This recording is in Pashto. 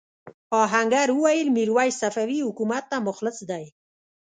آهنګر وویل میرويس صفوي حکومت ته مخلص دی.